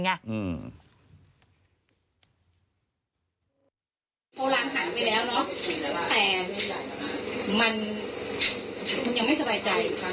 เขาล้างถังไปแล้วแต่มันยังไม่สบายใจ